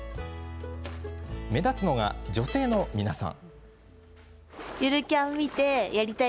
目立つのが、女性の皆さん。